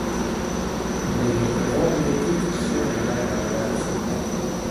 Bere hegoaldetik Sena ibaia igarotzen da.